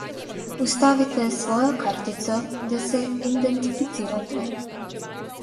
Vstavite svojo kartico, da se identificirate.